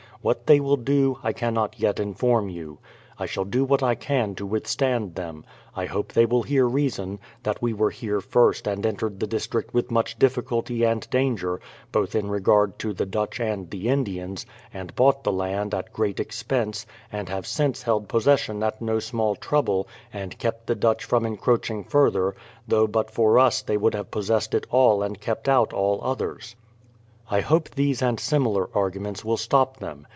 What they will do I cannot yet inform you. I shall do what I can to withstand them. I hope they will hear reason; that we were here first and entered the district with much difficulty and danger, both in regard to the Dutch and the Indians, and bought the land at great expense, and have since held possession at no small trouble, and kept the Dutch from encroaching further, though but for us they would have possessed it all and kept out all others. ... I hope these and similar arguments will stop them.